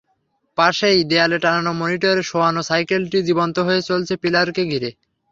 পাশেই দেয়ালে টানানো মনিটরে শোয়ানো সাইকেলটি জীবন্ত হয়ে চলছে পিলারকে ঘিরে।